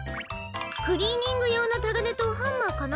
クリーニングようのたがねとハンマーかな。